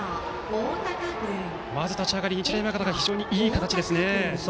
まず立ち上がり、日大山形は非常にいい形ですね。